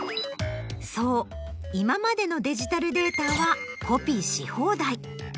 そう今までのデジタルデータはコピーし放題。